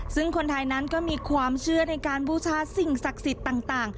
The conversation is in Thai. ซึ่งคนไทยนั้นก็มีความเชื่อในการบูชาสิ่งศักดิ์สิทธิ์ต่าง